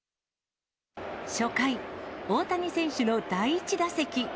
初回、大谷選手の第１打席。